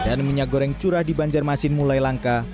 dan minyak goreng curah di banjarmasin mulai langka